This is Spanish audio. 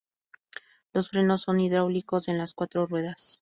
Los frenos son hidráulicos en las cuatro ruedas.